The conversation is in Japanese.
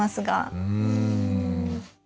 うん。